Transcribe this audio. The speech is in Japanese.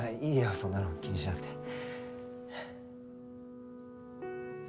いいよそんなの気にしなくて。